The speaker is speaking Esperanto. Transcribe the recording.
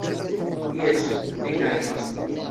Jes, li gajnis.